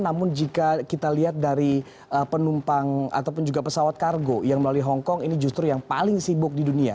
namun jika kita lihat dari penumpang ataupun juga pesawat kargo yang melalui hongkong ini justru yang paling sibuk di dunia